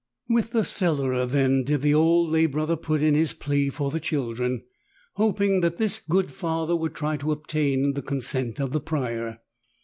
With the Cellarer then did the old lay brother put in his plea for the children, hoping that this good Father would try to obtain the con sent of the Prior.